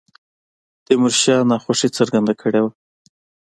تیمور شاه ناخوښي څرګنده کړې وه.